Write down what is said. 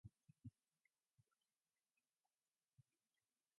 The records of his aerial combats are both incomplete and contradictory.